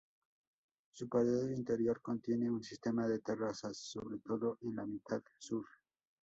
Su pared interior contiene un sistema de terrazas, sobre todo en la mitad sur.